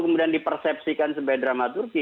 kemudian dipersepsikan sebagai dramaturgi